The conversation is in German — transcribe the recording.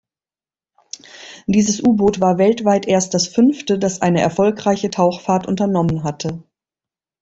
Dieses U-Boot war weltweit erst das fünfte, das eine erfolgreiche Tauchfahrt unternommen hatte.